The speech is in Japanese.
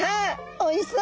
おいしそう！